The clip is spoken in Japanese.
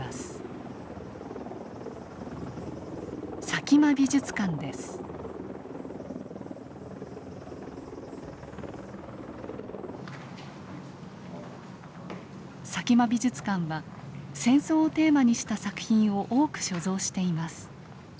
佐喜眞美術館は戦争をテーマにした作品を多く所蔵しています。